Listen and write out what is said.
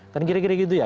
kan gira gira gitu ya